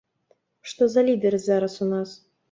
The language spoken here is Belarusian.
Што за лідары зараз у нас?